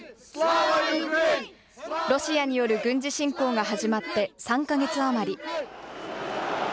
ロシアによる軍事侵攻が始まって３か月余り。